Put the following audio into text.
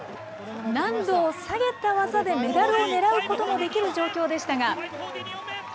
難度を下げた技でメダルをねらうこともできる状況でしたが。